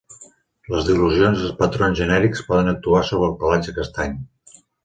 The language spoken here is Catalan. Les dilucions i els patrons genèrics poden actuar sobre el pelatge castany.